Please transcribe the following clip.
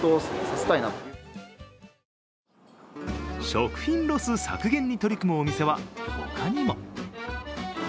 食品ロス削減に取り組むお店は他にも。